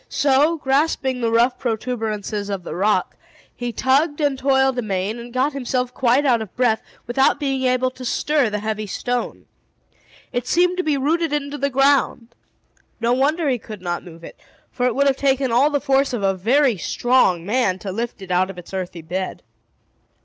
So, grasping the rough protuberances of the rock, he tugged and toiled amain, and got himself quite out of breath, without being able to stir the heavy stone. It seemed to be rooted into the ground. No wonder he could not move it; for it would have taken all the force of a very strong man to lift it out of its earthy bed.